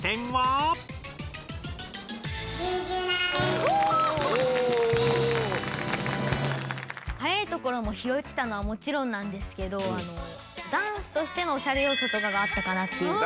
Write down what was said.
はやいところもひろえてたのはもちろんなんですけどダンスとしてもおしゃれようそとかがあったかなって。